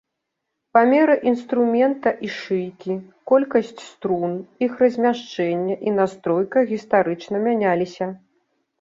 Памеры інструмента і шыйкі, колькасць струн, іх размяшчэнне і настройка гістарычна мяняліся.